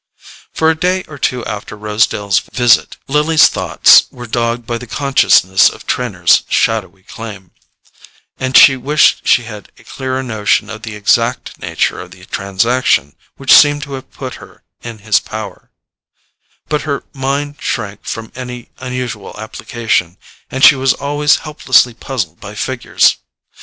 For a day or two after Rosedale's visit, Lily's thoughts were dogged by the consciousness of Trenor's shadowy claim, and she wished she had a clearer notion of the exact nature of the transaction which seemed to have put her in his power; but her mind shrank from any unusual application, and she was always helplessly puzzled by figures.